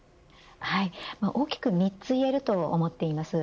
大きく３つ言えると思っています。